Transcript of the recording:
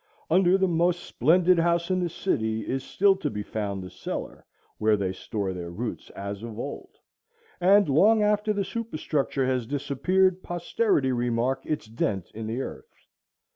Under the most splendid house in the city is still to be found the cellar where they store their roots as of old, and long after the superstructure has disappeared posterity remark its dent in the earth.